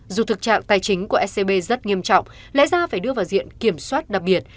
dù thực trạng tài chính của scb rất nghiêm trọng lẽ ra phải đưa vào diện kiểm soát đặc biệt